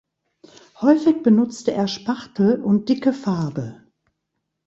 Häufig benutzte er Spachtel und dicke Farbe.